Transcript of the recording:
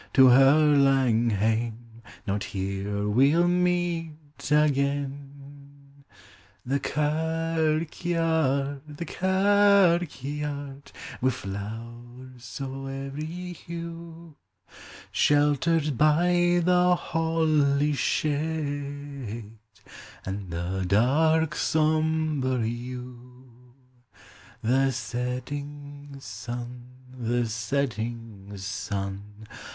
to her laug haine: Not here we '11 meet again. The kirkvaird. the kirkvaird! Wi' llowers o' every hue, Sheltered by the holly's shade An' the dark sombre yew. The setting sun, the setting sun!